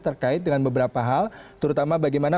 terkait dengan beberapa hal terutama bagaimana